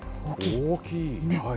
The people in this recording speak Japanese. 大きい。